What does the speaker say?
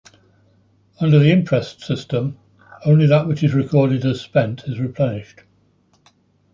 Under the imprest system, only that which is recorded as spent is replenished.